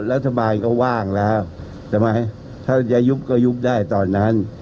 รัฐบาลก็ว่างแล้วใช่ไหมถ้าจะยุบก็ยุบได้ตอนนั้น